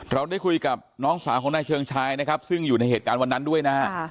เราได้คุยกับน้องสาวของนายเชิงชายนะครับซึ่งอยู่ในเหตุการณ์วันนั้นด้วยนะฮะ